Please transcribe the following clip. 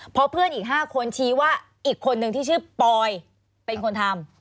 เพราะเพื่อนอีก๕คนชี้ว่าอีกคนนึงที่ชื่อปอยเป็นคนทำ